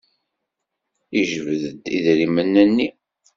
Yejbed-d idrimen-nni.